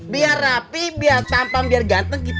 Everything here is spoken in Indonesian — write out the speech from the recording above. biar rapi biar tampang biar ganteng gitu